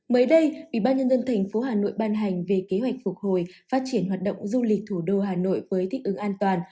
mới đây ủy ban nhân dân thành phố hà nội ban hành về kế hoạch phục hồi phát triển hoạt động du lịch thủ đô hà nội với thích ứng an toàn